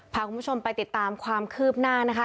พาคุณผู้ชมไปติดตามความคืบหน้านะคะ